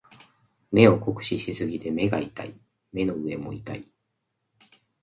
目を酷使しすぎて目が痛い。目の上も痛い。